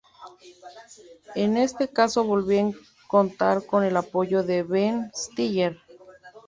En este caso volvió a contar con el apoyo de Ben Stiller.